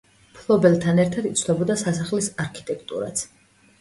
მფლობელთან ერთად იცვლებოდა სასახლის არქიტექტურაც.